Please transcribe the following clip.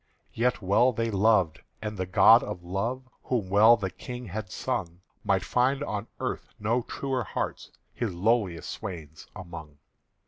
Yet well they loved; and the god of Love, Whom well the King had sung, Might find on the earth no truer hearts His lowliest swains among.